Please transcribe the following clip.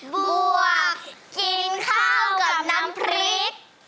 บวกกินข้าวกับน้ำพริก